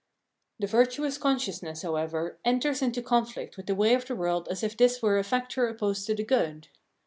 The virtuous consciousness, however, enters into con flict with the way of the world as if this were a factor opposed to the good.